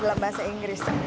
dalam bahasa inggris